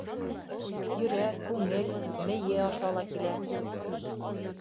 Йөрәк, күңел, мейе аша ла килә.